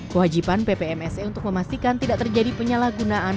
kewajiban ppmse untuk memastikan tidak terjadi penyalahgunaan